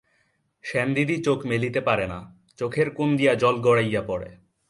সেনদিদি চোখ মেলিতে পারে না, চোখের কোণ দিয়া জল গড়াইয়া পড়ে।